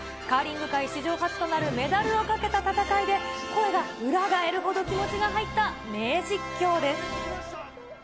カーリング界史上初となるメダルをかけた戦いで、声が裏返るほど気持ちが入った名実況です。